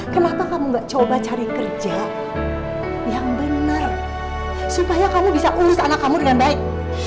kenapa kamu gak coba cari kerja yang benar supaya kamu bisa ulus anak kamu dengan baik